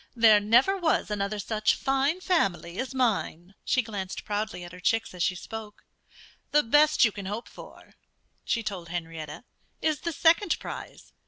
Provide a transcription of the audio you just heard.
There never was another such fine family as mine." She glanced proudly at her chicks as she spoke. "The best you can hope for," she told Henrietta, "is the second prize.